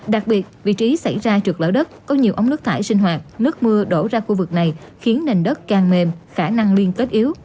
đặc biệt vị trí xảy ra trượt lở đất có nhiều ống nước thải sinh hoạt nước mưa đổ ra khu vực này khiến nền đất càng mềm khả năng liên kết yếu